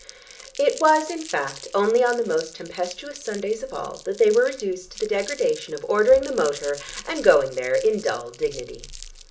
It was in fact only on the most tempestuous Sundays of all that they were reduced to the degradation of ordering the motor, and going there in dull dignity.